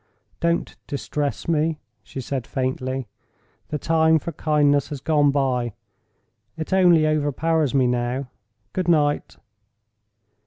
"Don't distress me!" she said, faintly. "The time for kindness has gone by; it only overpowers me now. Good night!"